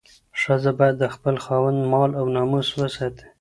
ښځه باید د خپل خاوند مال او ناموس وساتي.